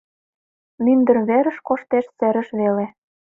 Мӱндыр верыш коштеш серыш веле.